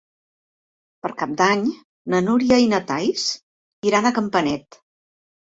Per Cap d'Any na Núria i na Thaís iran a Campanet.